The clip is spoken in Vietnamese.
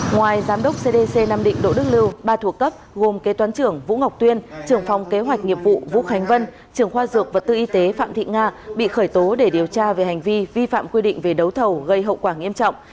ngoài giám đốc cdc nam định đỗ đức lưu ba thuộc cấp gồm kế toán trưởng vũ ngọc tuyên trưởng phòng kế hoạch nghiệp vụ vũ khánh vân trưởng khoa dược vật tư y tế phạm thị nga bị khởi tố để điều tra về hành vi vi phạm quy định về đấu thầu gây hậu quả nghiêm trọng